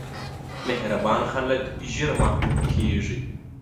مهربان خلک ژر محبوب کېږي.